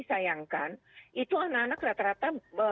sayangkan itu anak anak rata rata